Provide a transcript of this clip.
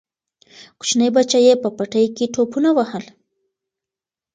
کوچني بچي یې په پټي کې ټوپونه وهل.